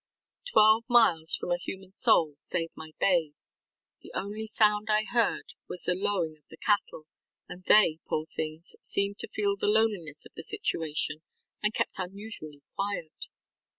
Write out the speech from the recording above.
Twelve miles from a human soul save my babe. The only sound I heard was the lowing of the cattle, and they, poor things, seemed to feel the loneliness of the situation and kept unusually quiet.